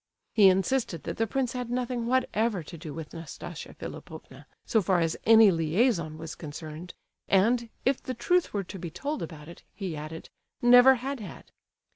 He insisted that the prince had nothing whatever to do with Nastasia Philipovna, so far as any liaison was concerned; and, if the truth were to be told about it, he added, never had had.